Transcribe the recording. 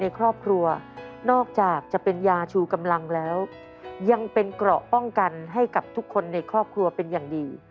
ในครอบครัวนอกจากจะเป็นยาชูกำลังแล้วยังเป็นเกราะป้องกันให้กับทุกคนในครอบครัวเป็นอย่างดี